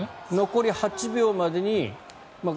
残り８秒までに。